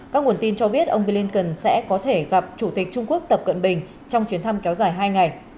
các nguồn tin cho biết ông blinken sẽ có thể gặp chủ tịch trung quốc tập cận bình trong chuyến thăm kéo dài hai ngày